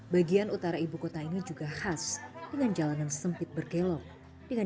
bagian utara ibukota ini juga khas dengan jalanan sempit bergelok dengan